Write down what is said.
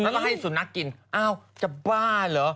แล้วก็ให้สุนัขกินอ้าวจะบ้าเหรอ